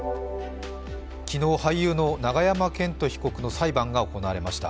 昨日、俳優の永山絢斗被告の裁判が行われました。